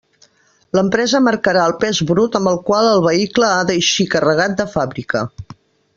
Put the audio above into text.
L'empresa marcarà el pes brut amb el qual el vehicle ha d'eixir carregat de fàbrica.